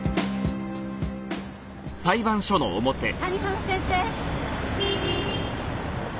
谷浜先生！